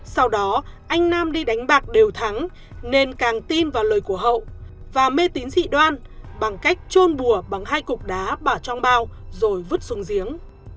sau đó anh nam đi đánh bạc đều thắng nên càng tin vào lời của hậu và mê tín dị đoan bằng cách trôn bùa bằng hai cục đá bỏ trong bao rồi vứt xuống giếng